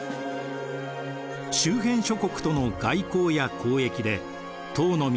周辺諸国との外交や交易で唐の都